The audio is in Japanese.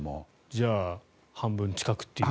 じゃあ、半分近くという。